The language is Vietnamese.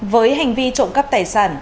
với hành vi trộm cắp tài sản